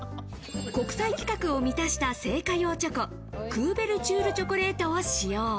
国際規格を満たした製菓用チョコ、クーベルチュールチョコレートを使用。